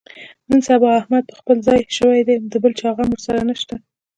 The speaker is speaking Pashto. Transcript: نن سبا احمد په خپل ځان شوی دی، د بل چا غم ورسره نشته.